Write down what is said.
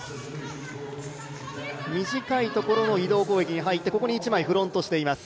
短いところの移動攻撃に入って、ここで一枚フロントしています。